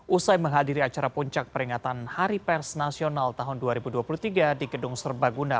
usai menghadiri acara puncak peringatan hari pers nasional tahun dua ribu dua puluh tiga di gedung serbaguna